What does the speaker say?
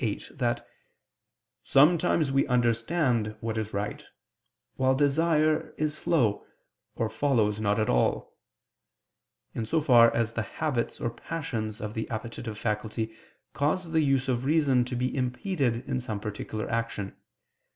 8) that "sometimes we understand (what is right) while desire is slow, or follows not at all," in so far as the habits or passions of the appetitive faculty cause the use of reason to be impeded in some particular action.